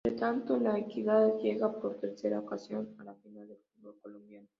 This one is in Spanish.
Entre tanto, La Equidad llega por tercera ocasión a la final del fútbol colombiano.